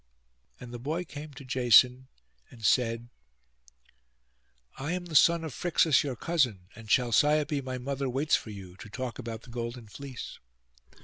And the boy came to Jason, and said— 'I am the son of Phrixus, your Cousin; and Chalciope my mother waits for you, to talk about the golden fleece.